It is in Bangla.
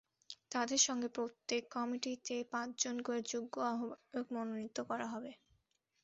তাঁদের সঙ্গে প্রত্যেক কমিটিতে পাঁচজন করে যুগ্ম আহ্বায়ক মনোনীত করা হবে।